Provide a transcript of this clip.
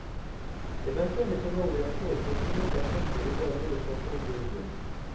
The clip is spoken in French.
Les vainqueurs des tournois Ouverture et Clôture s'affrontent pour déterminer le champion d'Uruguay.